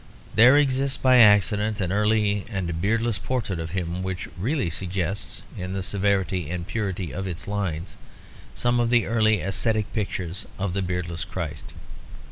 There exists by accident an early and beardless portrait of him which really suggests in the severity and purity of its lines some of the early ascetic pictures of the beardless Christ.